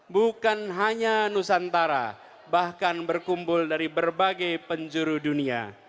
bukan hanya nusantara bahkan berkumpul dari berbagai penjuru dunia